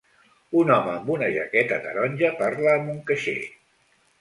Un home amb una jaqueta taronja parla amb un caixer.